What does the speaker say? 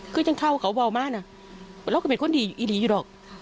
คือยังเข้าเขาเบามากนะเราก็เป็นคนดีอีดีอยู่หรอก